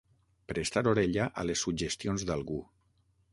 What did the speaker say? Prestar orella a les suggestions d'algú.